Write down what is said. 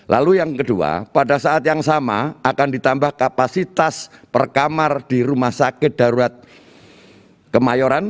lalu yang kedua pada saat yang sama akan ditambah kapasitas per kamar di rumah sakit darurat kemayoran